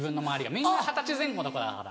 みんな二十歳前後の子だから。